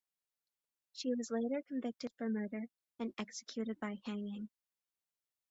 She was later convicted for murder and executed by hanging.